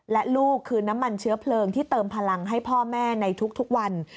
และลูกคือน้ำมันเชื้อเพลิงที่เติมพลังให้พ่อแม่ในทุกวัน